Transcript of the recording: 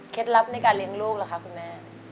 เคล็ดลับในการเลี้ยงลูกหรือคะคุณแม่